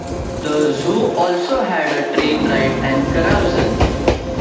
The zoo also has a train ride and carousel.